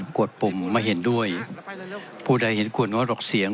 กวดปุ่มไม่เห็นด้วยผู้ใดเห็นควรงดออกเสียง